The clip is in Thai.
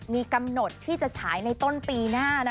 มีกำหนดที่จะฉายในต้นปีหน้า